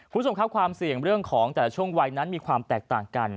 คุณผู้ชมครับความเสี่ยงเรื่องของแต่ละช่วงวัยนั้นมีความแตกต่างกัน